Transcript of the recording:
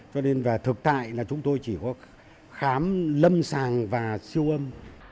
cho nên và thực tại là chúng tôi chỉ có khám lâm sàng và siêu âm